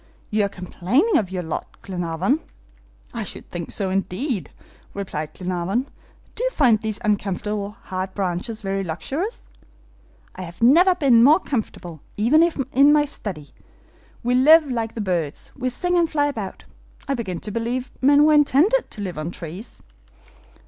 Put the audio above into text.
"You are complaining of your lot, Glenarvan." "I should think so, indeed," replied Glenarvan. "Do you find these uncomfortable hard branches very luxurious?" "I have never been more comfortable, even in my study. We live like the birds, we sing and fly about. I begin to believe men were intended to live on trees."